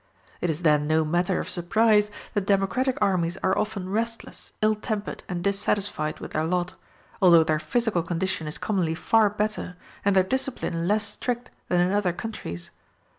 It is then no matter of surprise that democratic armies are often restless, ill tempered, and dissatisfied with their lot, although their physical condition is commonly far better, and their discipline less strict than in other countries.